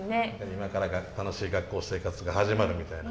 今から楽しい学校生活が始まるみたいな。